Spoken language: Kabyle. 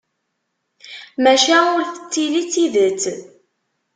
Maca ur tettili d tidet